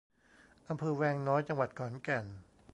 อำเภอแวงน้อย จังหวัดขอนแก่น